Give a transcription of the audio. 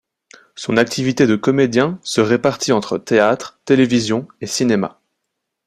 Son activité de comédien se répartit entre Théâtre, Télévision et Cinéma.